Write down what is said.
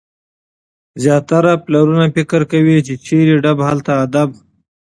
زیاتره پلرونه فکر کوي، چي چيري ډب هلته ادب.